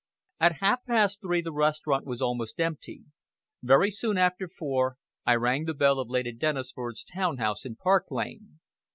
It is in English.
At half past three the restaurant was almost empty. Very soon after four I rang the bell of Lady Dennisford's town house in Park Lane.